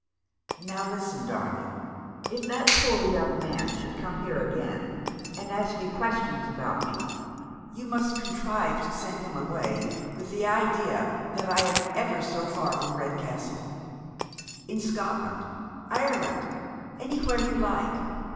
" Now listen, darling. If that poor young man should come here again and ask you questions about me, you must contrive to send him away with the idea that I am ever so far from Ked castle. In Scotland, Ireland, anywhere you like.